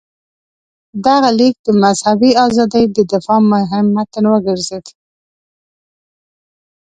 دغه لیک د مذهبي ازادۍ د دفاع مهم متن وګرځېد.